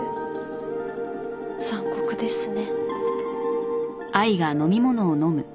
残酷ですね。